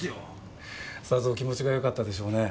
さぞお気持ちがよかったでしょうねえ。